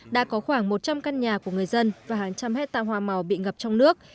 đã có khoảng một trăm linh căn nhà của người dân và hàng trăm hectare hoa màu bị ngập trong nước